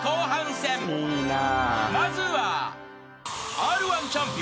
［まずは］